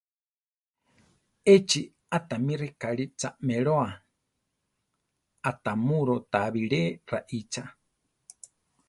Échi a tamí rekáli chaʼméloa; atamúro ta bilé raʼícha.